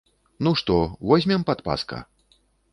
Ну што, возьмем падпаска?